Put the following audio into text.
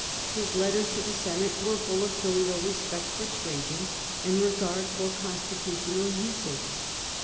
His letters to the Senate were full of filial respect for Trajan and regard for constitutional usage.